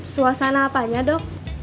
suasana apanya dok